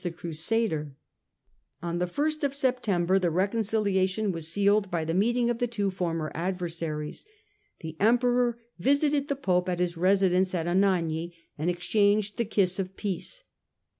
THE EXCOMMUNICATE CRUSADER 105 On the ist of September the reconciliation was sealed by the meeting of the two former adversaries. The Emperor visited the Pope at his residence at Anagni and exchanged the kiss of peace.